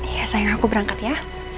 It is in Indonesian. ya sayang aku berangkat ya